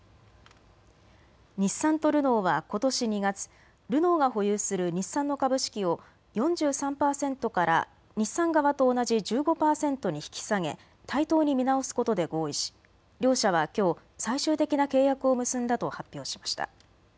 日産とルノーはことし２月、ルノーが保有する日産の株式を４３％から日産側と同じ１５％に引き下げ対等に見直すことで合意し両社はきょう最終的な契約を結んだと発表しました。